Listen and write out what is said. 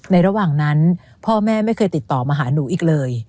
ระหว่างนั้นพ่อแม่ไม่เคยติดต่อมาหาหนูอีกเลย